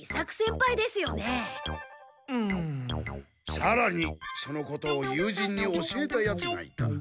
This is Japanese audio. さらにそのことを友人に教えたヤツがいた。